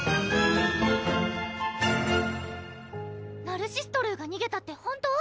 ナルシストルーがにげたって本当？